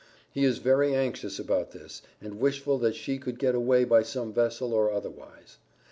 He is very anxious about this and wishful that she could get away by some vessel or otherwise.